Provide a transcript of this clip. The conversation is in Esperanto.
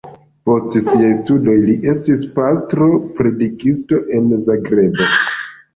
Post siaj studoj li estis pastro-predikisto en Zagrebo.